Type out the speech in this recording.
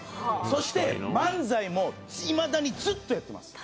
そして漫才もいまだにずっとやってます。